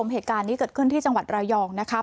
เหตุการณ์นี้เกิดขึ้นที่จังหวัดระยองนะครับ